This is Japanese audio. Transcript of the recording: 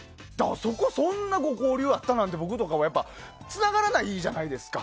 そこ、そんなに交流があったなんて僕とかはつながらないじゃないですか。